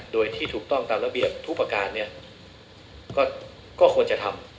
โดยที่ถูกต้องตามระเบียบทุกประการเนี่ยก็ควรจะทำ